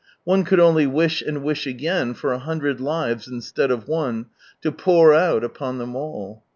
One could only wish and wish again for a hundred lives instead of one, to " pour out " upon them all.